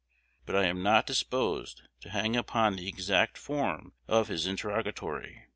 But I am not disposed to hang upon the exact form of his interrogatory.